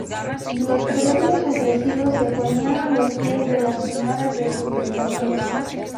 Los premios ofrecidos se ponían a los pies de las señoras de sus pensamientos.